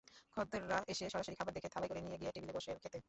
খদ্দেররা এসে সরাসরি খাবার দেখে থালায় করে নিয়ে গিয়ে টেবিলে বসেন খেতে।